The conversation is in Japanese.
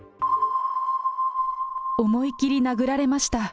思い切り殴られました。